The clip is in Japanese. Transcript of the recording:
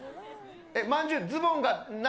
まんじゅう、ズボンが何。